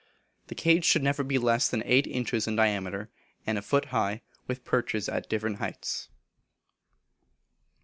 The cage should never be less than eight inches in diameter, and a foot high, with perches at different heights.